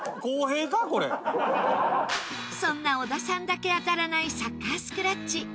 そんな小田さんだけ当たらないサッカースクラッチ。